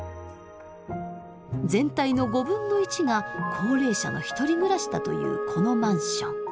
全体の５分の１が高齢者のひとり暮らしだというこのマンション。